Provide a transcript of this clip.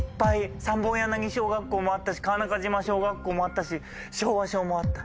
三本柳小学校もあったし川中島小学校もあったし昭和小もあった。